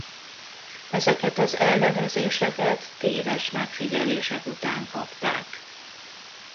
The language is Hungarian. Ezeket az elnevezéseket téves megfigyelések után kapták.